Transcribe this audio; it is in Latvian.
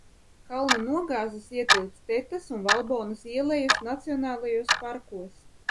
Kalna nogāzes ietilpst Tetas un Valbonas ielejas nacionālajos parkos.